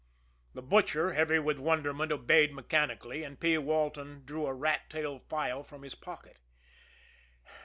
The Butcher, heavy with wonderment, obeyed mechanically and P. Walton drew a rat tail file from his pocket.